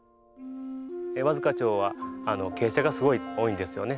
和束町は傾斜がすごい多いんですよね。